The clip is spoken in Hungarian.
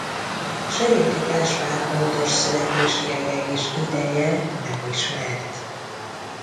Serédi Gáspár pontos születési helye és ideje nem ismert.